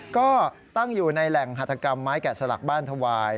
ก็ตั้งอยู่ในแหล่งหัฐกรรมไม้แกะสลักบ้านถวาย